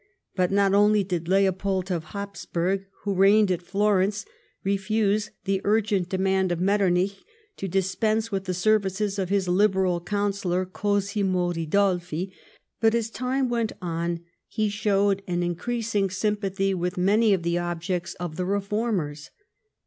But not only did Leopold of llabsburff, who reigned at Florence, refuse the urgent demand of jNIetternich to dispense with the services of his Liberal councillor, Cosimo Ridolfi, but, as time went on, he showed an increasing sympathy with many of the objects of the reformers.